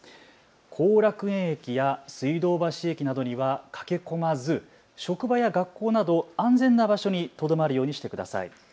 後楽園駅や水道橋駅などには駆け込まず職場や学校など安全な場所にとどまるようにしてください。